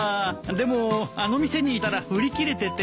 でもあの店に行ったら売り切れてて。